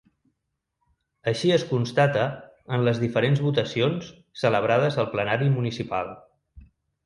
Així es constata en les diferents votacions celebrades al plenari municipal.